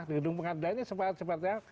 di gedung pengadilannya sepat sepatnya